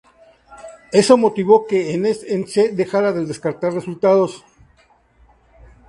Eso motivó que en se dejara de descartar resultados.